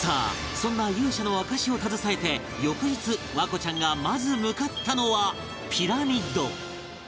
そんな勇者の証しを携えて翌日環子ちゃんがまず向かったのはピラミッド